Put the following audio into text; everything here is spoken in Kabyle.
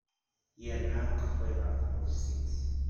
Yerna akeffay ɣer teɣlust-nnes.